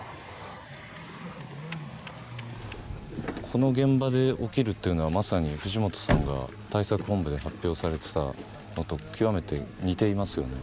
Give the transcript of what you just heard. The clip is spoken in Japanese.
この現場で起きるというのはまさに藤本さんが対策本部で発表されてたのと極めて似ていますよね